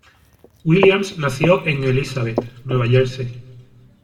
Williams nació en Elizabeth, Nueva Jersey.